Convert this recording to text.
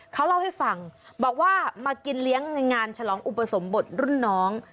เขาเล่าให้ฟังบอกว่ามากินเลี้ยงในงานฉลองอุปสมบทรุ่นน้อง